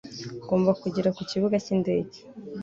Ngomba kugera ku kibuga cy'indege